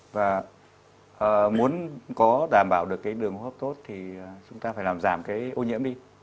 và muốn có đảm bảo được đường hợp tốt thì chúng ta phải làm giảm ô nhiễm đi